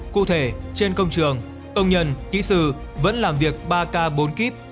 cụ thể trên công trường công nhân kỹ sư vẫn làm việc ba k bốn kíp